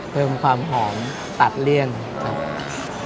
เพิ่มความหอมตัดเลี่ยงครับ